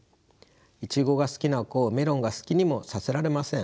イチゴが好きな子をメロンが好きにもさせられません。